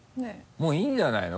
もういいんじゃないの？